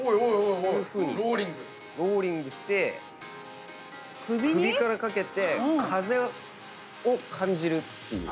こういうふうにローリングして首から掛けて風を感じるっていう。